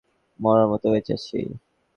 মরার মত বেঁচে আছি।